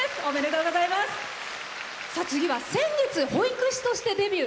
先月保育士としてデビュー！